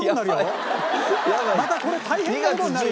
またこれ大変な事になるよ。